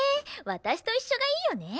私と一緒がいいよね？